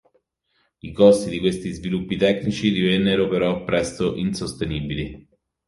I costi di questi sviluppi tecnici divennero però presto insostenibili.